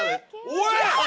おい！